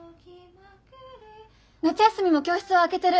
・夏休みも教室は開けてる。